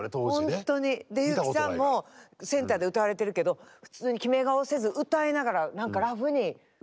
見たことないから。でＹＵ−ＫＩさんもセンターで歌われてるけど普通に決め顔せず歌いながら何かラフに歌ってる。